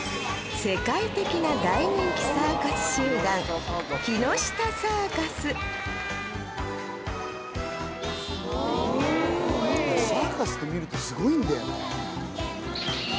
世界的な大人気サーカス集団サーカスって観るとすごいんだよね。